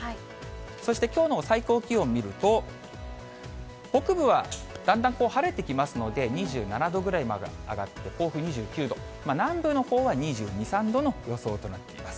そして、きょうの最高気温見ると、北部はだんだん晴れてきますので２７度ぐらいまで上がって、甲府２９度、南部のほうは２２、３度の予想となっています。